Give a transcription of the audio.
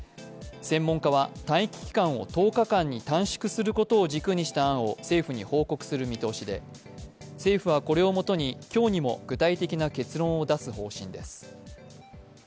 専門家は待機期間を１０日間に短縮することを軸にした案を政府に報告する見通しで政府はこれをもとに今日にも具体的な結論を出す方針です。